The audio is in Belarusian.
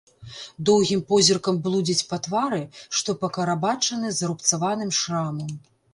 Доўгім позіркам блудзіць па твары, што пакарабачаны зарубцаваным шрамам.